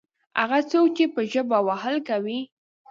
هغه څوک چې په ژبه وهل کوي.